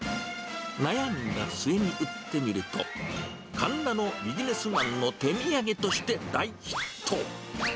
悩んだ末に売ってみると、神田のビジネスマンの手土産として大ヒット。